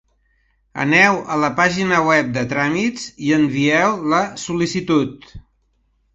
Aneu a la pàgina web de "Tràmits" i envieu la sol·licitud.